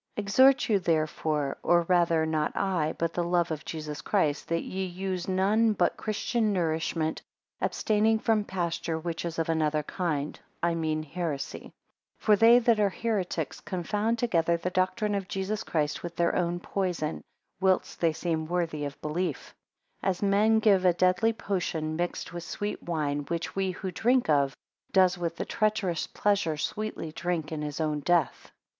EXHORT you therefore, or rather not I, but the love of Jesus Christ; that ye use none but christian nourishment; abstaining from pasture which is of another kind, I mean heresy. 2 For they that are heretics, confound together the doctrine of Jesus Christ, with their own poison: whilst they seem worthy of belief: 3 As men give a deadly potion mixed with sweet wine; which he who drinks of, does with the treacherous pleasure sweetly drink in his own death.